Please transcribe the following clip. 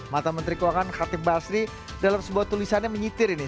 mata menteri keuangan khatib basri dalam sebuah tulisannya menyitir ini